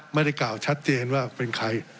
ไม่ได้กล่าวชัดเจนว่าเป็นใคร